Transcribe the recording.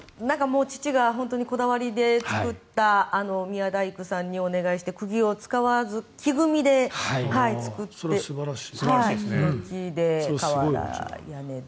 父が本当にこだわりで作った宮大工さんにお願いしてくぎを使わず木組みで作った家で瓦屋根で。